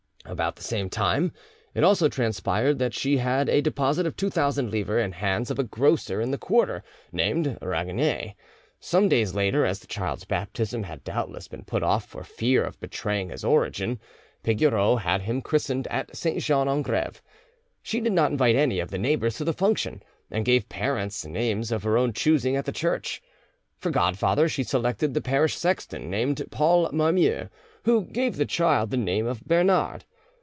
About the same time it also transpired that she had a deposit of two thousand livres in the hands of a grocer in the quarter, named Raguenet; some days later, as the child's baptism had doubtless been put off for fear of betraying his origin, Pigoreau had him christened at St. Jean en Greve. She did not invite any of the neighbours to the function, and gave parents' names of her own choosing at the church. For godfather she selected the parish sexton, named Paul Marmiou, who gave the child the name of Bernard.